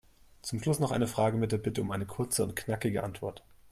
Zum Schluss noch eine Frage mit der Bitte um eine kurze und knackige Antwort.